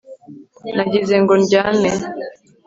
nagize ngo ndyamye